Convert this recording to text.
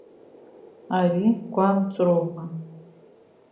Ари гәамҵроума.